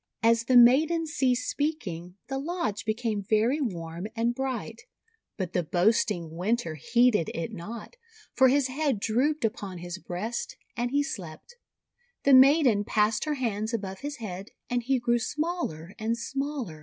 As the maiden ceased speaking, the lodge be came very warm and bright. But the boasting 126 THE WONDER GARDEN Winter heeded it not, for his head drooped upon his breast, and he slept. The maiden passed her hands above his head, and he grew smaller and smaller.